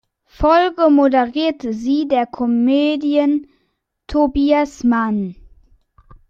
Folge moderiert sie der Comedian Tobias Mann.